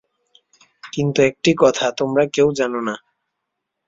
কিন্তু, একটি কথা তোমরা কেউ জান না।